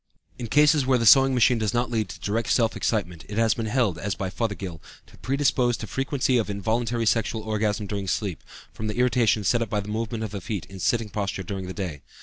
In cases where the sewing machine does not lead to direct self excitement it has been held, as by Fothergill, to predispose to frequency of involuntary sexual orgasm during sleep, from the irritation set up by the movement of the feet in the sitting posture during the day.